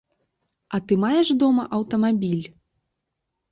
А ты маеш дома аўтамабіль?